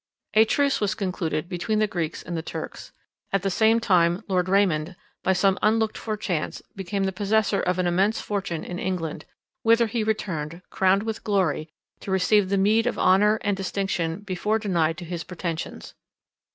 A truce was concluded between the Greeks and Turks. At the same time, Lord Raymond, by some unlooked for chance, became the possessor of an immense fortune in England, whither he returned, crowned with glory, to receive the meed of honour and distinction before denied to his pretensions.